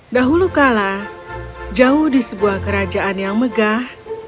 dahulu kala jauh di sebuah kerajaan yang megah